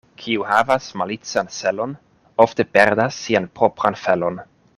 Kiu havas malican celon, ofte perdas sian propran felon.